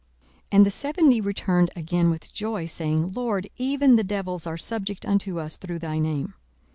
42:010:017 And the seventy returned again with joy, saying, Lord, even the devils are subject unto us through thy name.